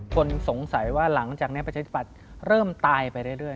คนสงสัยว่าหลังจากนี้ประชาธิปัตย์เริ่มตายไปเรื่อย